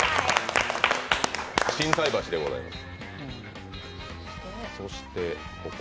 心斎橋でございます。